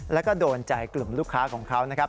แล้วก็โดนใจกลุ่มลูกค้าของเขานะครับ